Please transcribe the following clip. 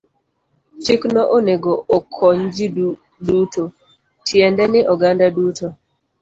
Chikno onego okony ji duto, tiende ni oganda duto.